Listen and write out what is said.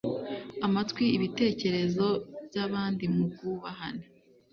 amatwi ibitekerezo by abandi mu bwubahane